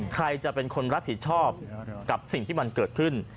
ใครจะเป็นคนรับผิดชอบกับสิ่งที่มันเกิดขึ้น